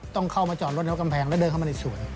ต้องเข้ามาจอดรถในกำแพงแล้วเดินเข้ามาในสวน